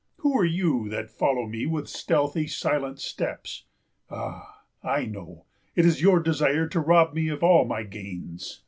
Who are you that follow me with stealthy silent steps? Ah, I know, it is your desire to rob me of all my gains.